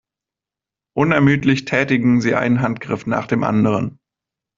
Unermüdlich tätigen sie einen Handgriff nach dem anderen.